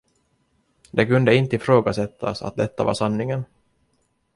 Det kunde inte ifrågasättas att detta var sanningen.